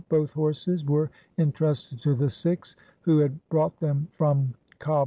Both horses were entrusted to the Sikhs who had brought them from Kabul.